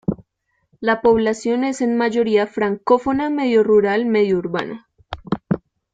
La población es en mayoría francófona medio rural medio urbana.